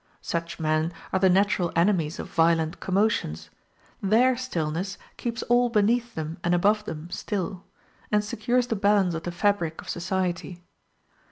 Such men are the natural enemies of violent commotions: their stillness keeps all beneath them and above them still, and secures the balance of the fabric of society.